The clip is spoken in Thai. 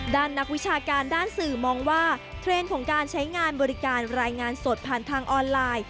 นักวิชาการด้านสื่อมองว่าเทรนด์ของการใช้งานบริการรายงานสดผ่านทางออนไลน์